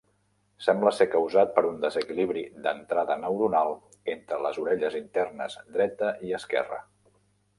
Sembla ser causat per un desequilibri d'entrada neuronal entre les orelles internes dreta i esquerra.